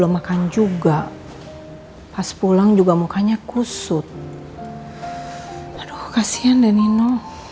makan juga pas pulang juga mukanya kusut aduh kasihan dan nino